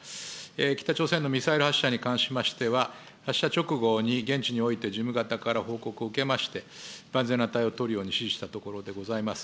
北朝鮮のミサイル発射に関しましては、発射直後に現地において事務方から報告を受けまして、万全な対応を取るように指示したところでございます。